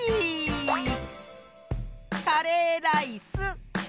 カレーライス！